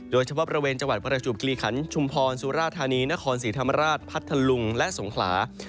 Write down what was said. โดยเฉพาะบริเวณจังหวัดประจวบกิริขันชุมพรสุราธานีนครศรีธรรมราชพัทธลุงและสงขลา